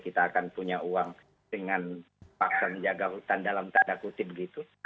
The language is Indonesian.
kita akan punya uang dengan paksa menjaga hutan dalam tanda kutip gitu